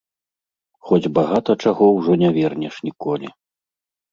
Хоць багата чаго ўжо не вернеш ніколі.